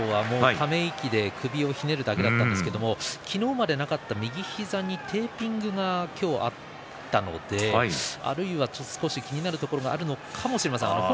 ため息で首をひねるだけだったんですが、昨日までなかった右膝にテーピングが今日あったので本人は少し気になるところがあるのかもしれません。